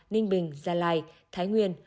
ninh bình gia lai thái nguyên